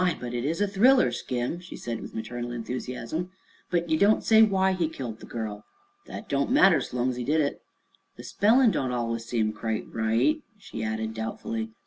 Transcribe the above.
but it's a thriller, Skim," she said with maternal enthusiasm; "but ye don't say why he killed the girl." "That don't matter, so long's he did it." "The spellin' don't allus seem quite right," she added doubtfully.